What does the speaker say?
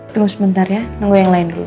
tunggu sebentar ya nunggu yang lain dulu